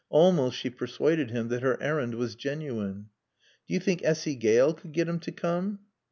Almost she persuaded him that her errand was genuine. "Do you think Essy Gale could get him to come?"